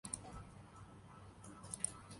وہاں خاص طرح کی جگہیں بنائی جاتی ہیں